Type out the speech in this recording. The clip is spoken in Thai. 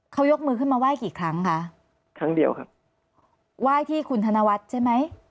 เขายกมือขึ้นมาไหว้กี่ครั้งคะครั้งเดียวครับไหว้ที่คุณธนวัฒน์ใช่ไหม